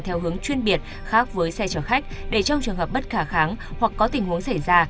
theo hướng chuyên biệt khác với xe chở khách để trong trường hợp bất khả kháng hoặc có tình huống xảy ra